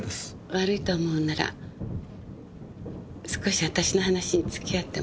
悪いと思うなら少し私の話に付き合ってもらえる？